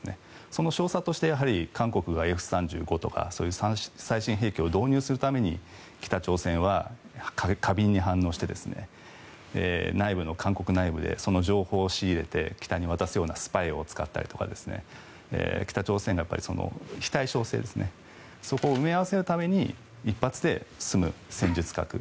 その証左としてやはり韓国がＦ３５とかそういう最新兵器を導入する度に過敏に反応して内部の韓国内部でその情報を仕入れて北に渡すようなスパイを使ったりとか北朝鮮がそこを埋め合わせるために一発で済む戦術核。